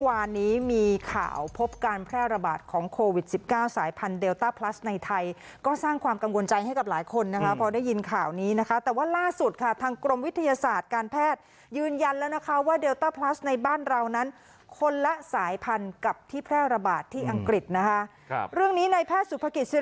วันนี้มีข่าวพบการแพร่ละบาดของโควิด๑๙สายพันธุ์